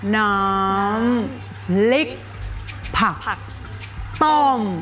น้ำพริกผักต้ม